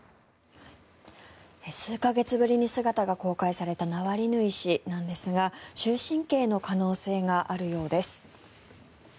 数か月ぶりに姿が公開されたナワリヌイ氏なんですが終身刑の可能性があるようです。